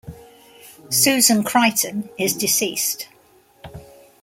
Susan Crichton is deceased.